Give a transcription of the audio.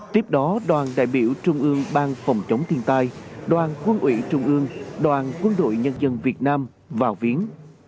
tiếp đó đoàn đại biểu trung ương bang phòng chống thiên tai đoàn quân ủy trung ương đoàn quân đội nhân dân việt nam vào viếng